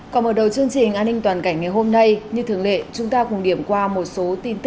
còn ở đầu chương trình an ninh toàn cảnh ngày hôm nay như thường lệ chúng ta cùng điểm qua một số tin tức an ninh trẻ tự đáng chú ý